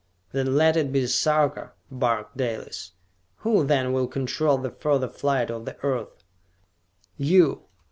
"Then let it be a Sarka!" barked Dalis. "Who, then, will control the further flight of the Earth?" "You!